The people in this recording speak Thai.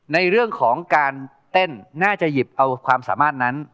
ในเรื่องของการเต้นน่าจะหยิบเอาความสามารถนั้น